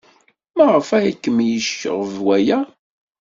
Maɣef ay kem-yecɣeb waya?